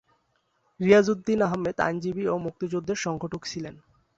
রিয়াজ উদ্দিন আহমেদ আইনজীবী ও মুক্তিযুদ্ধের সংগঠক ছিলেন।